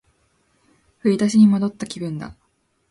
振り出しに戻った気分だ